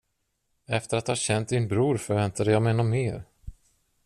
Efter att ha känt din bror förväntade jag mig något mer.